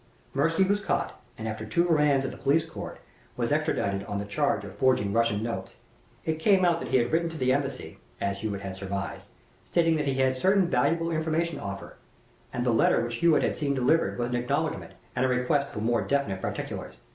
Mirsky was caught, and, after two remands at the police court, was extradited on the charge of forging Russian notes. It came out that he had written to the embassy, as Hewitt had surmised, stating that he had certain valuable information to offer, and the letter which Hewitt had seen delivered was an acknowledgment, and a request for more definite particulars.